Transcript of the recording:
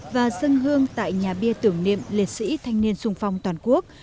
và dân hương tại nhà bia tưởng niệm liệt sĩ thanh niên sung phong toàn quốc